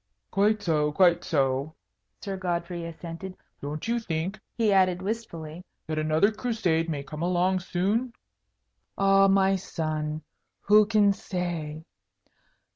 "Quite so, quite so!" Sir Godfrey assented. "Don't you think," he added, wistfully, "that another Crusade may come along soon?" "Ah, my son, who can say?